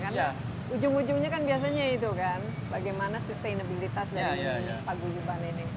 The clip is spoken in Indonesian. karena ujung ujungnya kan biasanya itu kan bagaimana sustainability dari pagu juban ini